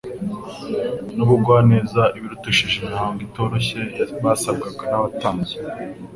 n’ubugwaneza ibirutishije imihango itoroshye basabwaga n’abatambyi.